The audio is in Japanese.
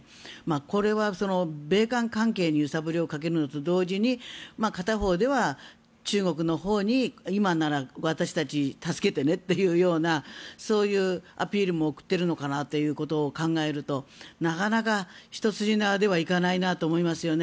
これは米韓関係に揺さぶりをかけるのと同時に片方では中国のほうに今なら、私たちを助けてねというようなそういうアピールも送っているのかなと考えるとなかなか一筋縄ではいかないなと思いますよね。